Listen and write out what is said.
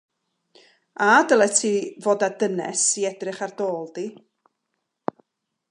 A dylet ti fod â dynes i edrych ar dy ôl di.